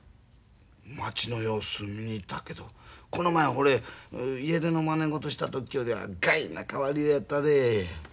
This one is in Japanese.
町の様子見に行ったけどこの前ほれ家出のまねごとした時よりはがいな変わりようやったで。